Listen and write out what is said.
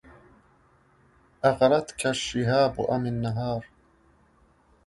أغرتك الشهاب أم النهار